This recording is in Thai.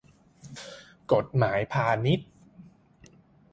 กฎหมายพาณิชย์